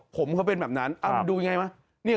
ผมเขาเป็นแบบนั้นดูยังไงวะ